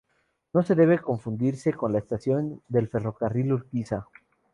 No se debe confundirse con la estación del Ferrocarril Urquiza.